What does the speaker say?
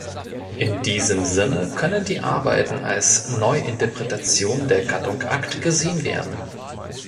In diesem Sinne können die Arbeiten als Neuinterpretation der Gattung Akt gesehen werden.